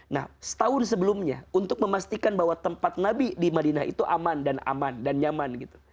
nah setahun sebelumnya untuk memastikan bahwa tempat nabi di madinah itu aman dan nyaman